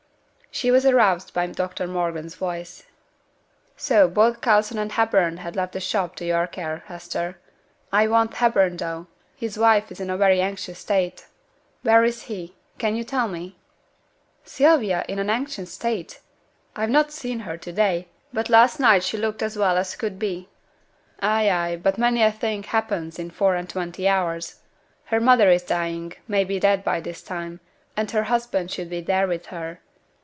She was aroused by Dr Morgan's voice. 'So both Coulson and Hepburn have left the shop to your care, Hester. I want Hepburn, though; his wife is in a very anxious state. Where is he? can you tell me?' 'Sylvia in an anxious state! I've not seen her to day, but last night she looked as well as could be.' 'Ay, ay; but many a thing happens in four and twenty hours. Her mother is dying, may be dead by this time; and her husband should be there with her.